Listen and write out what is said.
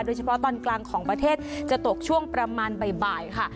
โดยเฉพาะตอนกลางของประเทศจะตกช่วงประมาณบ่ายค่ะ